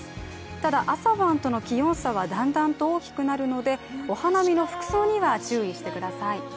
ただ朝晩との気温差はだんだんと大きくなるのでお花見の服装には注意してください。